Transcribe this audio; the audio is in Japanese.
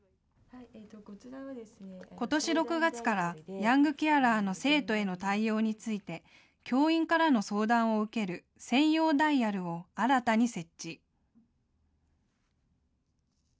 ことし６月からヤングケアラーの生徒への対応について教員からの相談を受ける専用ダイヤルを新たに設置。